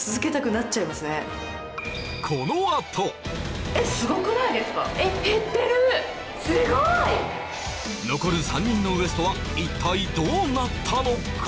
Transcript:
このあと残る３人のウエストは一体どうなったのか？